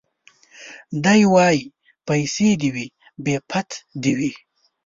دی وايي پيسې دي وي بې پت دي وي